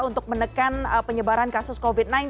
untuk menekan penyebaran kasus covid sembilan belas